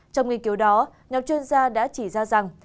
trong nghiên cứu đó nhóm chuyên gia đã chỉ ra rằng